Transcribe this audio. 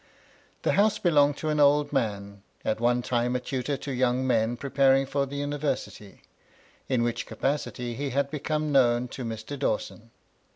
The house belonged to an old man, at one time a tutor to young men preparing for the University, in which capacity he had become known to Mr. Dawson.